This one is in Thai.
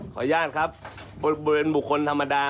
ขออนุญาตครับบริเวณบุคคลธรรมดา